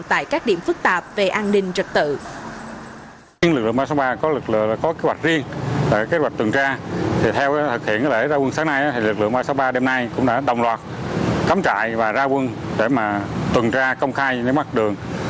tại các điểm phức tạp về an ninh trật tự